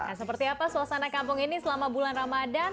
nah seperti apa suasana kampung ini selama bulan ramadan